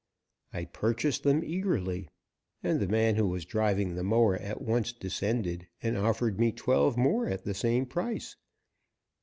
I purchased them eagerly, and the man who was driving the mower at once descended and offered me twelve more at the same price.